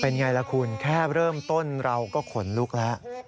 เป็นอย่างไรล่ะคุณแค่เริ่มต้นเราก็ขนลุกแล้ว